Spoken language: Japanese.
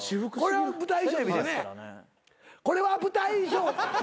これは舞台衣装。